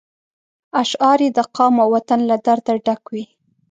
اشعار یې د قام او وطن له درده ډک وي.